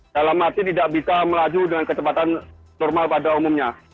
dalam arti tidak bisa melaju dengan kecepatan normal pada umumnya